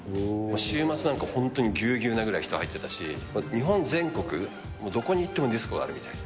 週末なんか本当にぎゅうぎゅうなぐらい、人入ってたし、日本全国どこに行ってもディスコがあるみたいな。